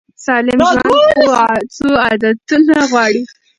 سالم ژوند څو عادتونه غواړي.